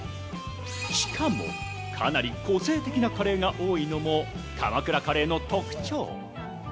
しかも、かなり個性的なカレーが多いのも鎌倉カレーの特徴。